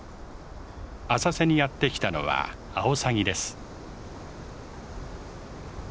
浅瀬にやって来たのはアオサギです。